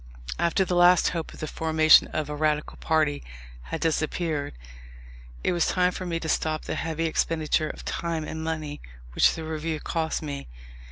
After the last hope of the formation of a Radical party had disappeared, it was time for me to stop the heavy expenditure of time and money which the Review cost me.